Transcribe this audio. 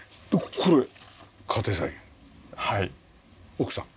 奥さん？